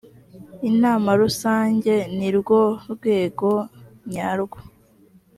inama rusange ni rwo rwego nyarwo .